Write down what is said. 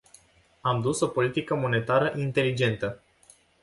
Am dus o politică monetară inteligentă.